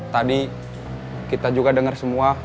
tadi kita juga dengar semua